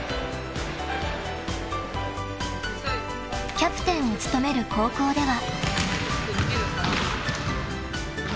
［キャプテンを務める高校では］